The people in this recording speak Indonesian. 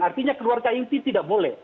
artinya keluarga inti tidak boleh